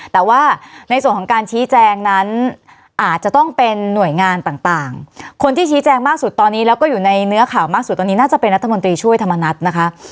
แต่ว่าในส่วนของการชี้แจงนั้นอาจจะต้องเป็นหน่วยงานต่างคนที่ชี้แจงมากสุดตอนนี้แล้วก็อยู่ในเนื้อข่าวมากสุดตอนนี้น่าจะเป็นรัฐมนตรีช่วยธรรมนัฐนะคะ